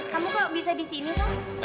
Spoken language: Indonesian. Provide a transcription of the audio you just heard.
kamu kok bisa di sini kak